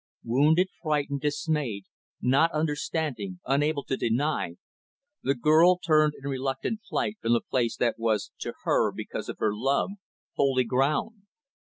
Wounded, frightened, dismayed, not understanding, unable to deny, the girl turned in reluctant flight from the place that was, to her, because of her love, holy ground.